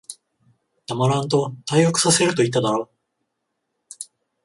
黙らんと、退学させると言っただろ。